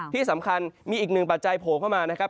ที่สำคัญมีอีกหนึ่งปัจจัยโผล่เข้ามานะครับ